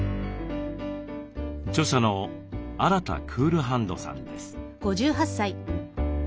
著者のアラタ・クールハンドさんです。